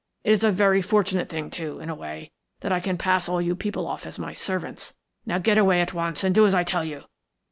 It is a very fortunate thing, too, in a way, that I can pass all you people off as my servants. Now get away at once and do as I tell you.